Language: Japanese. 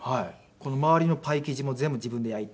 この周りのパイ生地も全部自分で焼いて。